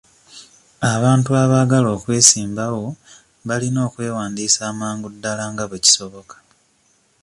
Abantu abaagala okwesimbawo balina okwewandiisa amangu ddala nga bwe kisoboka..